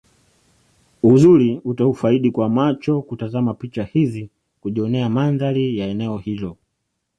Uzuri utaufaidi kwa macho kutazama picha hizi kujionea mandhari ya eneo hilo